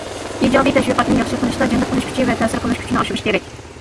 ئىجابىي تەشۋىقاتنى ياخشى قىلىشتا جەلپ قىلىش كۈچى ۋە تەسىر قىلىش كۈچىنى ئاشۇرۇش كېرەك.